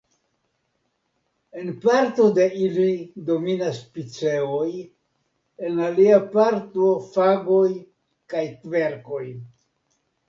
En parto de ili dominas piceoj, en alia parto fagoj kaj kverkoj.